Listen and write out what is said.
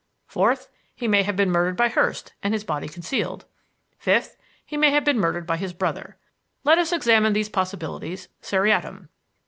Fourth, he may have been murdered by Hurst and his body concealed. Fifth, he may have been murdered by his brother. Let us examine these possibilities seriatim.